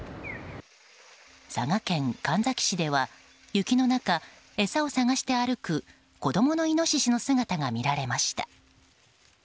佐賀県神埼市では雪の中餌を探して歩く子供のイノシシの姿がありました。